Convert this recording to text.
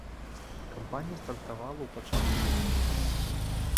Кампанія стартавала ў пачатку ліпеня.